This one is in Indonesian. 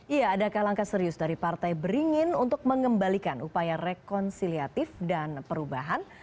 iya adakah langkah serius dari partai beringin untuk mengembalikan upaya rekonsiliatif dan perubahan